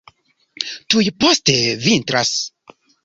Tuj poste vintras.